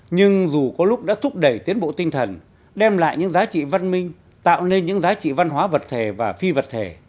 nhưng dù có lúc đã thúc đẩy tiến bộ tinh thần đem lại những giá trị văn minh tạo nên những giá trị văn hóa vật thể và phi vật thể